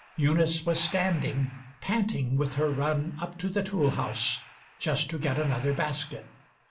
Eunice was standing, panting with her run Up to the tool house just to get another Basket.